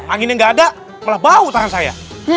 angin yang tidak ada malah bau tangan saya